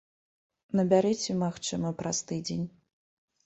Набярыце, магчыма, праз тыдзень.